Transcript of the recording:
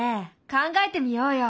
考えてみようよ。